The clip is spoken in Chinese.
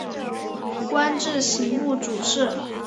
官至刑部主事。